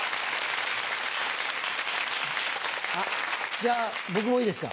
じゃあ僕もいいですか？